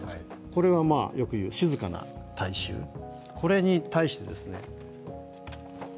これはよく言う、静かな大衆これに対してですね